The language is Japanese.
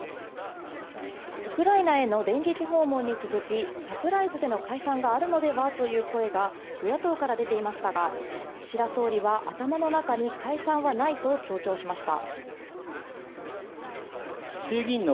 ウクライナへの電撃訪問に続き、サプライズでの解散があるのではという声が与野党から出ていましたが、岸田総理は頭の中に解散はないと強調しました。